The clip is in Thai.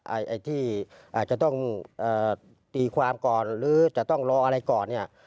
ไอ้ที่อาจจะต้องเอ่อตีความก่อนหรือจะต้องรออะไรก่อนเนี่ย